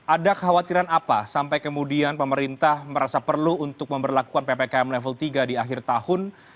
ada khawatiran apa sampai kemudian pemerintah merasa perlu untuk memperlakukan ppkm level tiga di akhir tahun